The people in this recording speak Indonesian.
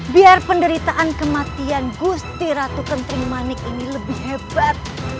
biar penderitaan kematian gusti ratu kenting manik ini lebih hebat